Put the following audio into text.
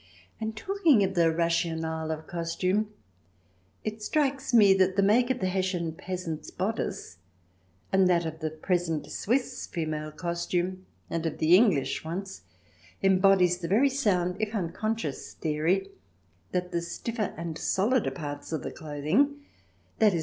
And talking of the rationale of costume, it strikes me that the make of the Hessian peasant's bodice — and that of the present Swiss female costume and of the English, once — embodies the very sound, if un conscious, theory that the stiffer and solider parts of the clothing — i.e.